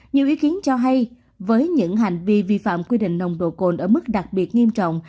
nhiều ý kiến cho hay với những hành vi vi phạm quy định nồng độ cồn ở mức đặc biệt nghiêm trọng